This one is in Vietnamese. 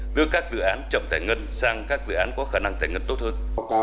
đưa các dự án chậm giải ngân sang các dự án có khả năng giải ngân tốt hơn